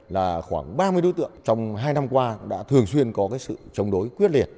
hai mươi đối tượng trong hai năm qua đã thường xuyên có sự chống đối quyết liệt